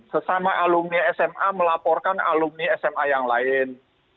sesama alumni sma melaporkan alumni sma yang lain